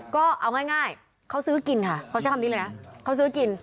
ก็เอาง่ายเขาซื้อกินค่ะเขาใช้คำนี้เลยนะเขาซื้อกิน